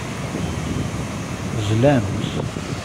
Zlan-t.